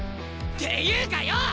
っていうかよぉ！